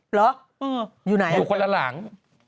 เหรออยู่ไหนอยู่คนละหลัง